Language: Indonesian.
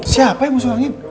siapa yang masuk angin